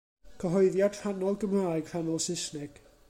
Cyhoeddiad rhannol Gymraeg, rhannol Saesneg.